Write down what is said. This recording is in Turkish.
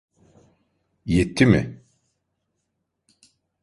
Yetti mi?